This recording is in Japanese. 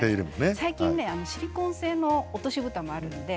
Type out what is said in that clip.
最近はシリコン製の落としぶたもあります。